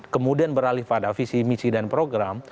kemudian beralih pada visi misi dan program